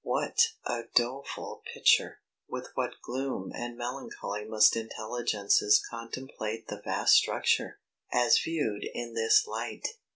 What a doleful picture! With what gloom and melancholy must intelligences contemplate the vast structure, as viewed in this light!